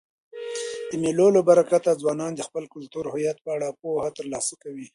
د مېلو له برکته ځوانان د خپل کلتوري هویت په اړه پوهه ترلاسه کوي.